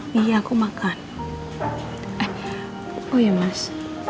mereka cocok banget ya mas